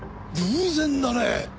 偶然だね。